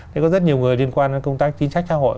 thì có rất nhiều người liên quan đến công tác chính sách xã hội